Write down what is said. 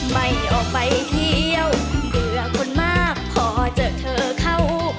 ไม่ออกไปเที่ยวเบื่อคนมากพอเจอเธอเข้า